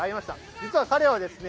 実は彼はですね